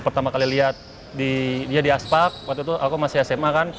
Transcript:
pertama kali liat dia di aspak waktu itu aku masih sma kan